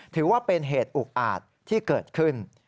ถือว่าเป็นเหตุอุกอาจที่เกิดขึ้น